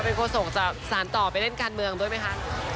เป็นโฆษกจะสารต่อไปเล่นการเมืองด้วยไหมคะ